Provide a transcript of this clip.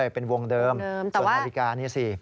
เป็นวงเดิมส่วนนาฬิกานี่สิ